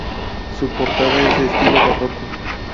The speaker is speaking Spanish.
Su portada es de estilo barroco.